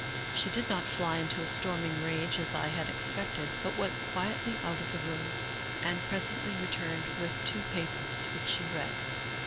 She did not fly into a storming rage as I had expected, but went quietly out of the room and presently returned with two papers, which she read.